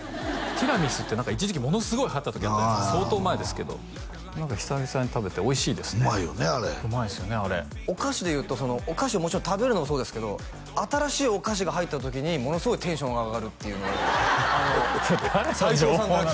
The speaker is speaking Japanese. ティラミスって何か一時期ものすごいはやった時あったじゃないですか相当前ですけど何か久々に食べておいしいですねうまいよねあれうまいですよねあれお菓子でいうとお菓子をもちろん食べるのもそうですけど新しいお菓子が入った時にものすごいテンションが上がるっていうのをそれ誰の情報なの？